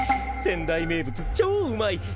仙台名物超うまい。